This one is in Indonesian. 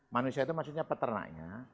manusia itu maksudnya peternaknya